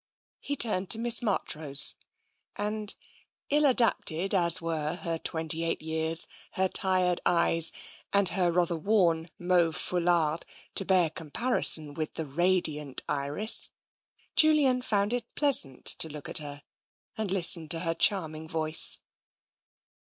He turned to Miss Marchrose, and ill adapted as were her twenty eight years, her tired eyes, and her rather worn mauve foulard to bear comparison with the radiant Iris, Julian found it pleasant to look at her and to listen to her charming voice.